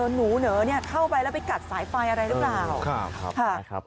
หนูเหนอะเนี่ยเข้าไปแล้วไปกัดสายไฟอะไรรึเปล่าครับ